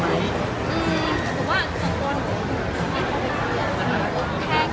แต่ว่าเรากลายเป็นคนที่เรียก